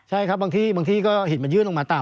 ใช่ครับบางที่ก็เห็นมันยื่นออกมาต่ำ